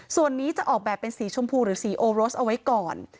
ส่วนนี้จะออกแบบเป็นสีชมพูหรือสีโอโรสเอาไว้ก่อน